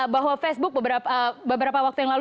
bahwa facebook beberapa waktu yang lalu